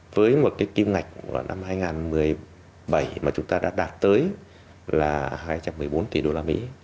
với một cái kim ngạch năm hai nghìn một mươi bảy mà chúng ta đã đạt tới là hai trăm một mươi bốn tỷ đô la mỹ